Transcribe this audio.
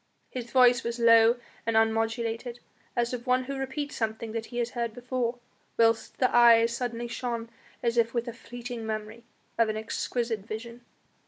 His voice was low and unmodulated, as of one who repeats something that he has heard before, whilst the eyes suddenly shone as if with a fleeting memory of an exquisite vision.